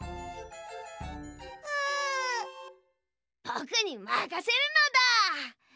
ぼくにまかせるのだ！